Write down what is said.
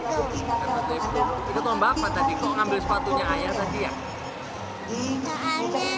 itu tuh mbak kok ngambil sepatunya ayah tadi ya